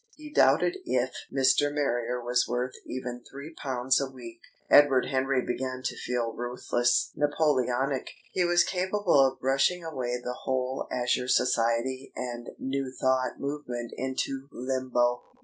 He doubted if Mr. Marrier was worth even his three pounds a week. Edward Henry began to feel ruthless, Napoleonic. He was capable of brushing away the whole Azure Society and New Thought movement into limbo.